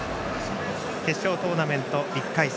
決勝トーナメント１回戦